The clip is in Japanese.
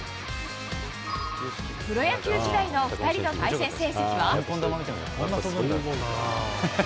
プロ野球時代の２人の対戦成績は。